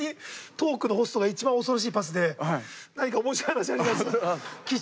トークのホストが一番恐ろしいパスで「何か面白い話あります？」。